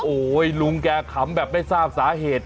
โฮลุงแกขำแบบไม่รู้สาเหตุ